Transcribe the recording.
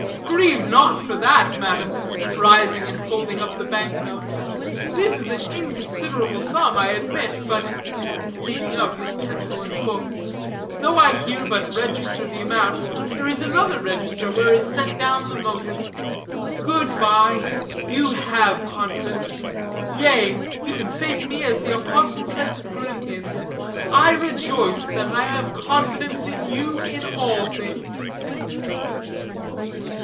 "Grieve not for that, madam," rising and folding up the bank notes. "This is an inconsiderable sum, I admit, but," taking out his pencil and book, "though I here but register the amount, there is another register, where is set down the motive. Good bye; you have confidence. Yea, you can say to me as the apostle said to the Corinthians, 'I rejoice that I have confidence in you in all things.'"